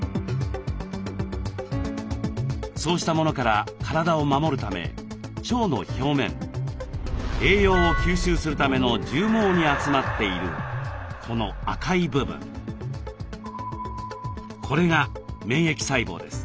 そうしたものから体を守るため腸の表面栄養を吸収するための絨毛に集まっているこの赤い部分これが免疫細胞です。